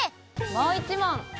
もう１問！